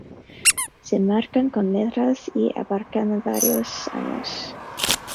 Se marcan con letras y abarcan varios años.